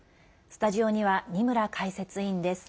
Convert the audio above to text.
スタジオには二村解説委員です。